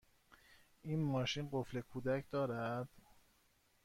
این ماشین قفل کودک دارد؟